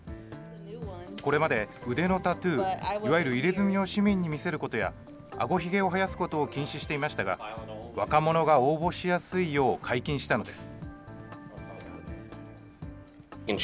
これまで腕のタトゥー、いわゆる入れ墨を市民に見せることや、あごひげを生やすことを禁止していましたが、若者が応募しやすいよう解禁したのです。